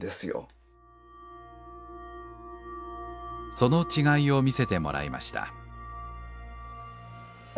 その違いを見せてもらいました。